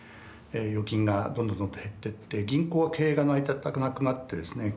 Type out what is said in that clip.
預金がどんどんどんどん減ってって銀行は経営が成り立たなくなってですね